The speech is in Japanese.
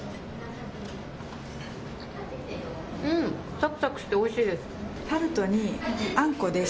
サクサクしておいしいです。